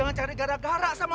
lu tunggu disini